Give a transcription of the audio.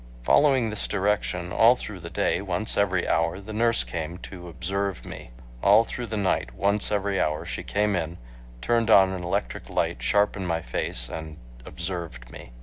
Following this direction, all through the day once every hour, the nurse came to "observe" me. All through the night, once every hour she came in, turned on an electric light sharp in my face, and "observed" me.